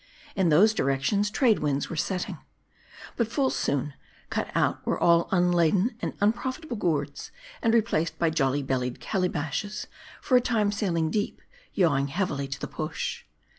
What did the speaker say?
In those directions, Trade winds were setting. But full soon, cut out were all unladen and unprofitable gourds ; and replaced by jolly bellied calabashes, for a time sailing deep, yawing heavily to the push.